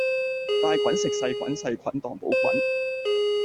大菌食細菌，細菌當補品